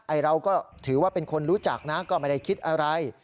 เราก็ถือว่าเป็นคนรู้จักนะก็ไม่ได้คิดอะไร